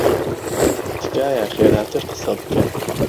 تکایە خێراتر قسە بکە.